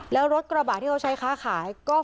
แล้วรถกระบะที่เขาใช้ค้าขายก็